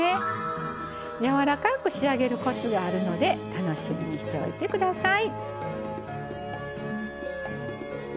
柔らかく仕上げるコツがあるので楽しみにしておいて下さい。